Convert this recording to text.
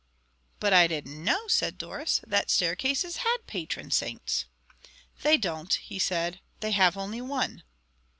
"But I didn't know," said Doris, "that staircases had patron saints." "They don't," he said. "They have only one."